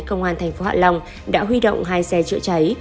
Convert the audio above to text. công an thành phố hạ long đã huy động hai xe chữa cháy